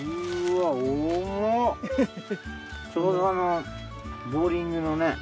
ちょうどボウリングのね